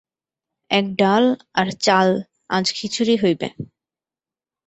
এক ডাল আর চাল–আজ খিচুড়ি হইবে।